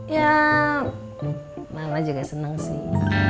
ya mama juga senang sih